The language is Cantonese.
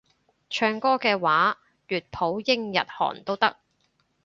唱歌嘅話粵普英日韓都得